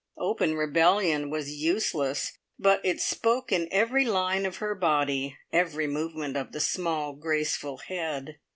Open rebellion was useless, but it spoke in every line of her body, every movement of the small, graceful head.